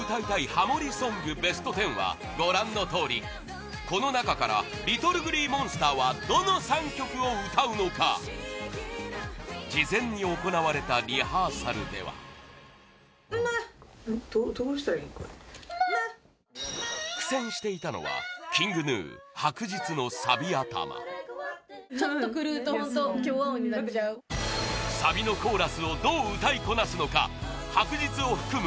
ハモりソングＢＥＳＴ１０はご覧のとおりこの中からＬｉｔｔｌｅＧｌｅｅＭｏｎｓｔｅｒはどの３曲を歌うのか事前に行われたリハーサルでは苦戦していたのはＫｉｎｇＧｎｕ「白日」のサビ頭サビのコーラスをどう歌いこなすのか「白日」を含む